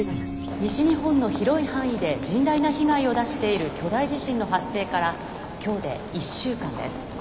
「西日本の広い範囲で甚大な被害を出している巨大地震の発生から今日で１週間です。